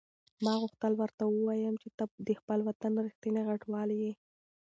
ما غوښتل ورته ووایم چې ته د خپل وطن رښتینې غاټول یې.